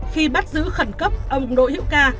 khi bắt giữ khẩn cấp ông đỗ hiệu ca